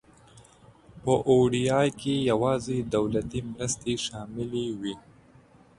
په او ډي آی کې یوازې دولتي مرستې شاملې وي.